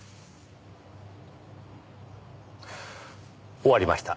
終わりました。